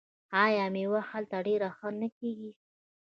آیا میوه هلته ډیره ښه نه کیږي؟